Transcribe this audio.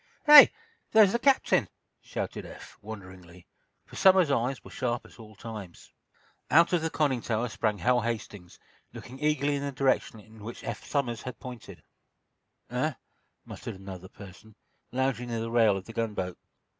"Hey! There's the captain!" shouted Eph, wonderingly, for Somers's eyes were sharp at all times. Out of the conning tower sprang Hal Hastings, looking eagerly in the direction in which Eph Somers pointed: "Eh?" muttered another person, lounging near the rail of the gunboat.